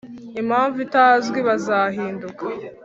impamvu itazwi bazahinduka